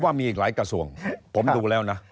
มีอีกหลายกระทรวงผมดูแล้วนะ